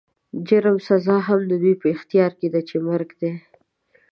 د جرم سزا هم د دوی په اختيار کې ده چې مرګ دی.